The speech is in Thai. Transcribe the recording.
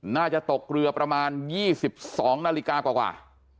น่าจะตกเรือประมาณ๒๒นาฬิกากว่า